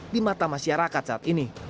di mata masyarakat saat ini